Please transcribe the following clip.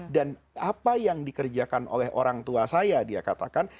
dan apa yang dikerjakan oleh orang tua saya dia katakan